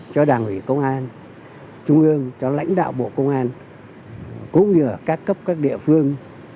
trung ương cho lãnh đạo bộ công an cũng như các cấp các địa phương